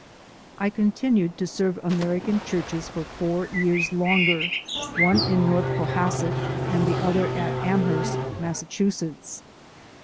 I continued to serve American churches for four years longer, one at North Cohasset and the other at Amherst, Massachusetts.